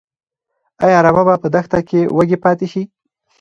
ايا رمه به په دښته کې وږي پاتې شي؟